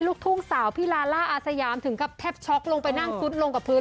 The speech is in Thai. ลูกทุ่งสาวพี่ลาล่าอาสยามถึงกับแทบช็อกลงไปนั่งซุดลงกับพื้น